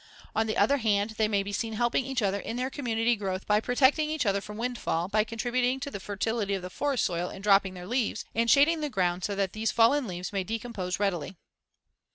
On the other hand they may be seen helping each other in their community growth by protecting each other from windfall and by contributing to the fertility of the forest soil in dropping their leaves and shading the ground so that these fallen leaves may decompose readily.